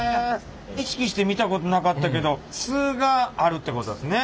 意識して見たことなかったけどすがあるってことですね。